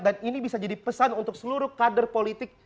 dan ini bisa jadi pesan untuk seluruh kader politik